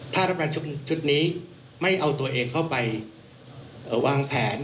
ถ้ารัฐบาลชุดนี้ไม่เอาตัวเองเข้าไปวางแผน